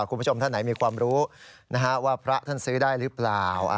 คุณผู้ชมท่านไหนมีความรู้ว่าพระท่านซื้อได้หรือเปล่า